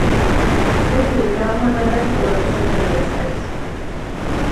ძეგლი გაღმა გადაჰყურებს სოფელ მეწყერს.